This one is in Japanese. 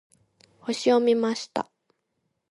星を見ました。